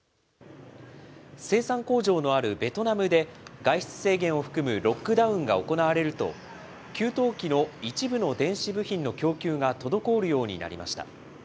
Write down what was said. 生産工場のあるベトナムで、外出制限を含むロックダウンが行われると、給湯器の一部の電子部品の供給が滞るようになりました。